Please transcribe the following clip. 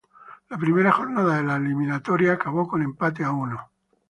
La primera jornada de la eliminatoria, acabó con empate a uno.